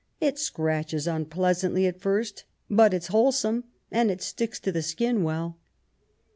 It scratches unpleasantly at first ; but it's wholesome, and it sticks to the skin well."